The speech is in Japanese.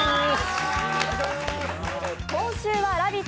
今週は「ラヴィット！」